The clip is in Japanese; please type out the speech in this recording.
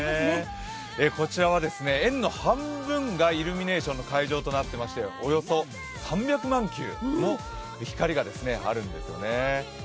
こちらは園の半分がイルミネーションの会場となっていましておよそ３００万球も光があるんですよね。